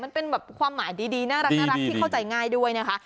มันเป็นแบบความหมายดีน่ารักที่เข้าใจง่ายด้วยนะคะ